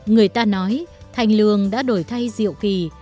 người ta nói thanh lương đã đổi thay diệu kỳ